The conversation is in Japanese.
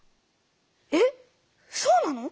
えっそうなの？